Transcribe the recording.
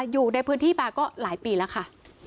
อยู่ในพื้นที่มาก็หลายปีแล้วค่ะ